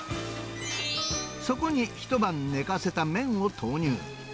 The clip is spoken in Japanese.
そこに一晩寝かせた麺を投入。